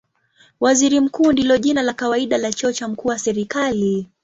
Waziri Mkuu ndilo jina la kawaida la cheo cha mkuu wa serikali.